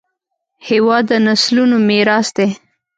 هېواد د نسلونو میراث دی.